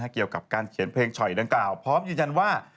เกี่ยวกับการเขียนเพลงฉ่อยดังกล่าวพร้อมยืนยันว่า